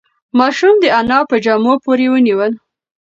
ماشوم د انا په جامو پورې ونیول.